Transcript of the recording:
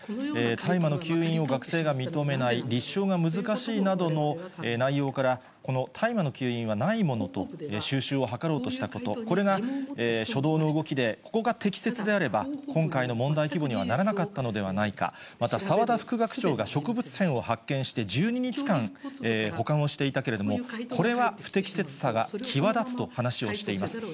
大麻の吸引を学生が認めない、立証が難しいなどの内容から、この大麻の吸引はないものと収拾を図ろうとしたこと、これが初動の動きで、ここが適切であれば、今回の問題規模にはならなかったのではないか、また澤田副学長が植物片を発見して１２日間保管をしていたけれども、これは不適切さが際立つと話をしています。